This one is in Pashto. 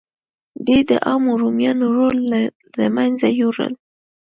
دې د عامو رومیانو رول له منځه یووړ